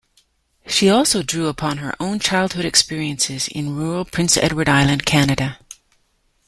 She also drew upon her own childhood experiences in rural Prince Edward Island, Canada.